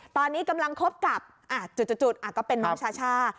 ตอนนี้กำลังคบกับจุดก็เป็นน้องชาช่า